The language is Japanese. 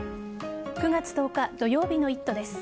９月１０日土曜日の「イット！」です。